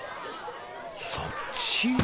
そっち。